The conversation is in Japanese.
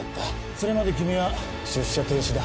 それまで君は出社停止だ。